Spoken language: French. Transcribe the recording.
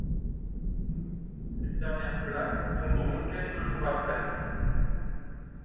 Ces dernières places tomberont quelques jours après.